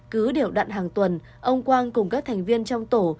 cứ điểm đặn hàng tuần ông quang cùng các thành viên trong tổ